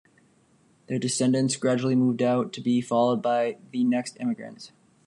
Their descendants gradually moved out, to be followed by the next immigrants.